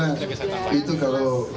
saya kira itu kalau